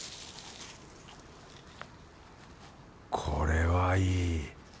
これはいい。